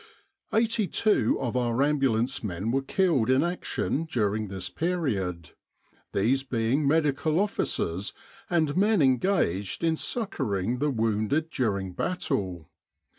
Eighty two of our ambulance men were killed in action during this period, these being Medical Officers and men engaged in succouring the wounded during battle.